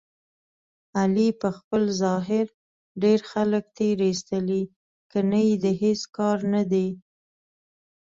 علي په خپل ظاهر ډېر خلک تېر ایستلي، ګني د هېڅ کار نه دی.